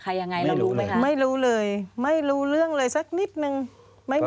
ควิทยาลัยเชียร์สวัสดีครับ